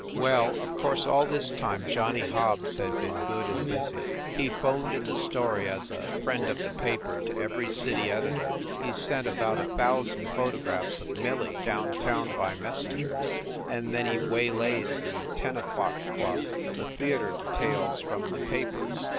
Well, of course all this time Johnny Hobbs had been good and busy. He phoned in the story as a "friend of the paper" to every city editor, he sent about a thousand photographs of Millie down town by messengers, and then he waylaid the "Ten O Clock Club" the theater details from the papers.